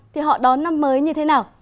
thì họ đón năm mới như thế nào